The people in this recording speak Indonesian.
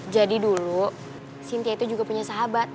jadi dulu sintia itu juga punya sahabat